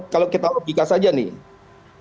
kalau kita logika saja nih